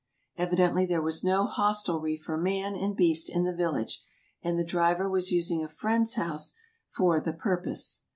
Evidently there was no hostelry for man and beast in the village, and the driver was using a friend's house for the purpose.